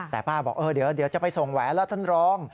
แต่ป้าบอกเดี๋ยวจะไปส่งแหวนแล้วท่านรอง